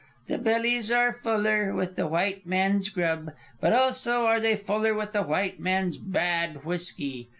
The bellies are fuller with the white man's grub; but also are they fuller with the white man's bad whiskey.